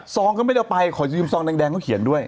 ซองก็ไม่ได้เอาไปขอยืมซองแดงก็เขียนด้วย